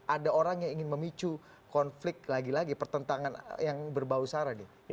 ada orang yang ingin memicu konflik lagi lagi pertentangan yang berbau sara nih